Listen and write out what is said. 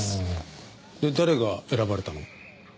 で誰が選ばれたの？